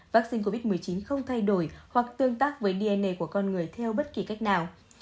vaccine covid một mươi chín không thay đổi hoặc tương tác với dn của con người theo bất kỳ cách nào